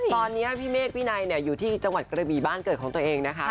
ตอนนี้พี่เมฆวินัยอยู่ที่จังหวัดกระบี่บ้านเกิดของตัวเองนะคะ